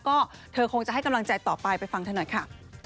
ก็เธอคงจะให้กำลังใจต่อไปไปฟังเธอหน่อยค่ะ